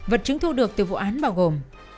vật chứng thu được từ vụ án bao gồm